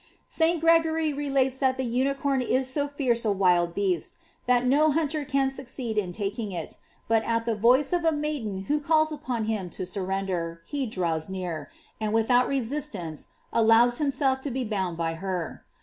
St0 Gregory re lates that the unicorn is so ferocious a wild beast, that no hunter can succeed in taking it; but at the voice of a maiden who calls upon him to surrender, he draws near, and without resist ance allows himself to be bound by her.